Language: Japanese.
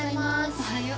おはよう。